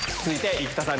生田さん。